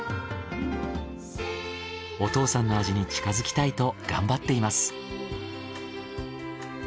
お父さんの味に近づきたいと頑張っています。